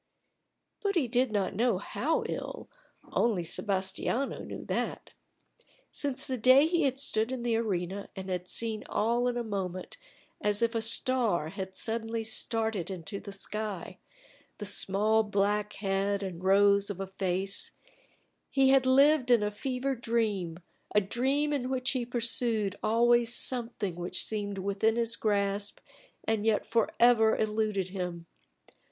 But he did not know how ill; only Sebas tiano knew that. Since the day he had stood in the arena and had seen all in a moment, as if a star had suddenly started into the sky, the small black head and rose of a face, he had lived in a fevered dream a dream in which he pursued always something which seemed within his grasp and yet forever eluded him.